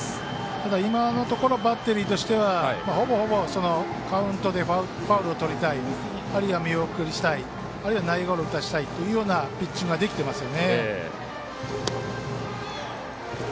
ただ今のところはバッテリーとしては、ほぼほぼカウントでファウルをとりたいあるいは見送りしたいあるいは内野ゴロを打たせたいというようなピッチングができていますよね。